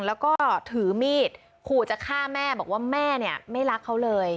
แล้วก็ถือมีดขู่จะฆ่าแม่บอกว่าแม่เนี่ยไม่รักเขาเลย